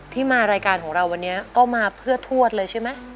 ที่มารายการของเราวันนี้ก็มาเพื่อทวดเลยใช่ไหม